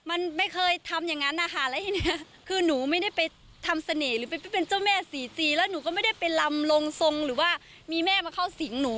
โอเคนั่นเองค่ะ